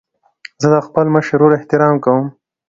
زه د خپل مشر ورور احترام کوم.